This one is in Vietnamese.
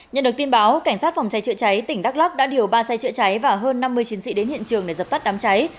nhân được tin báo cảnh sát phòng cháy trựa cháy tỉnh đắk lắc đã điều ba xe trựa cháy và hơn năm mươi chiến sĩ đến hiện trường để dập tắt đám cháy